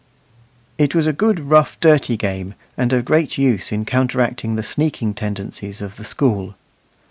It was a good, rough, dirty game, and of great use in counteracting the sneaking tendencies of the school.